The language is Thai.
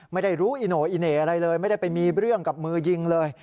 ไม่ได้รู้อิโน่อีเหน่อะไรเลยไม่ได้ไปมีเรื่องกับมือยิงเลย